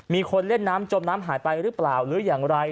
มีคนเล่นน้ำจมน้ำหายไปหรือเปล่าหรืออย่างไร